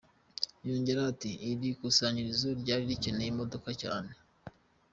Yongeraho ati “Iri kusanyirizo ryari rikeneye imodoka cyane.